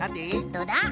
どうだ？